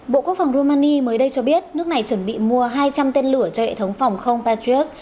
bộ quốc phòng rumani mới đây cho biết nước này chuẩn bị mua hai trăm linh tên lửa cho hệ thống phòng không patriot